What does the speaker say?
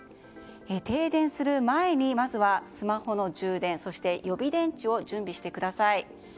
停電する前にまずはスマホの充電そして予備電池を準備してください。